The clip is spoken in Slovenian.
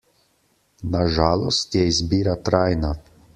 Na žalost je izbira trajna.